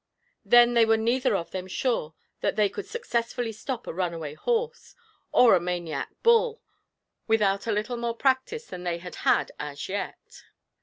Then they were neither of them sure that they could successfully stop a runaway horse, or a maniac bull, without a little more practice than they had had as yet.